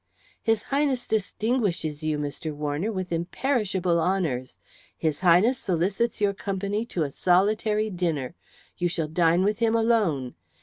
"His Highness distinguishes you, Mr. Warner, with imperishable honours. His Highness solicits your company to a solitary dinner. You shall dine with him alone.